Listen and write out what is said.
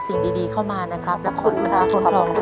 สิ่งดีเข้ามานะครับและขอบคุณคุณค่ะ